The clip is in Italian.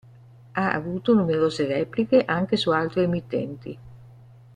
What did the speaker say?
Ha avuto numerose repliche anche su altre emittenti.